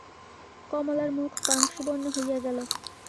কমলার মুখ পাংশুবর্ণ হইয়া গেল।